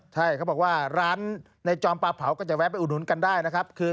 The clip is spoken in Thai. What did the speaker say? ใช่เขาบอกว่าร้านในจอมปลาเผาก็จะแวะไปอุดหนุนกันได้นะครับ